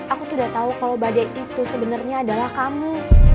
aku tidak tahu kalau badai itu sebenarnya adalah kamu